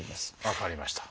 分かりました。